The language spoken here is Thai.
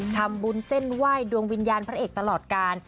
ทำบุญเส้นไหว้ดวงวิญญาณพระเอกตลอดการ